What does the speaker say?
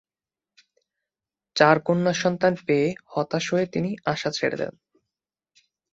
চার কন্যা সন্তান পেয়ে হতাশ হয়ে তিনি আশা ছেড়ে দেন।